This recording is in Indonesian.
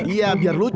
iya biar lucu